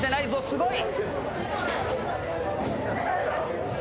すごい。